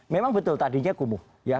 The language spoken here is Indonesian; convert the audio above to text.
memang betul tadinya kumuh